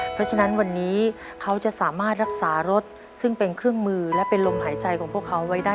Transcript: เพราะฉะนั้นวันนี้เขาจะสามารถรักษารถซึ่งเป็นเครื่องมือและเป็นลมหายใจของพวกเขาไว้ได้